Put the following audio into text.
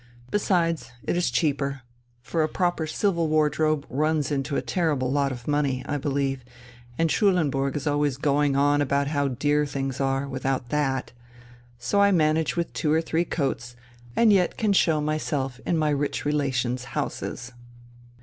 Besides, it is cheaper, for a proper civil wardrobe runs into a terrible lot of money, I believe, and Schulenburg is always going on about how dear things are, without that. So I manage with two or three coats, and yet can show myself in my rich relations' houses."